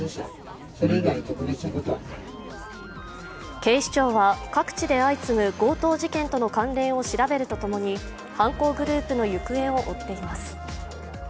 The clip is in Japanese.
警視庁は、各地で相次ぐ強盗事件との関連を調べるとともに犯行グループの行方を追っています。